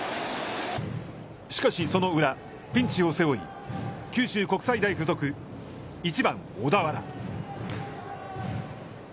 しかし、その裏。ピンチを背負い、九州国際大付属、１番小田原。